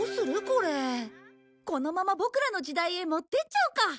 このままボクらの時代へ持ってっちゃおうか！